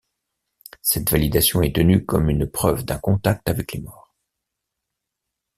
Cette validation est tenue comme une preuve d’un contact avec les morts.